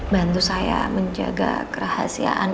bantu saya menjaga kerahasiaan